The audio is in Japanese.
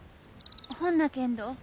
ほんなけんど。